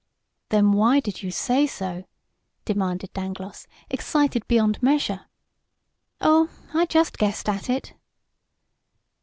"Then why did you say so?" demanded Dangloss, excited beyond measure. "Oh, I just guessed at it!"